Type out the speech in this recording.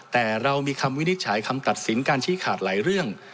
แต่เรามีคำวินิจฉัยคำตัดสินการชี้ขาดหลายเรื่อง